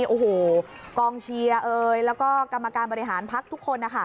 โอ้โหกองเชียร์แล้วก็กรรมการบริหารพักทุกคนนะคะ